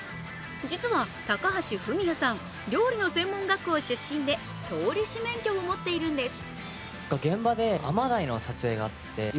実は高橋文哉さん、料理の専門学校出身で調理師免許も持っているんです。